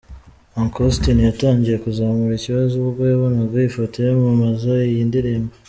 Uncle Austin yatangiye kuzamura ikibazo ubwo yabonaga ifoto yamamaza iyi ndirimbo.